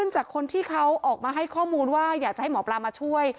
จากคนที่เขาออกมาให้ข้อมูลว่าอยากจะให้หมอปลามาช่วย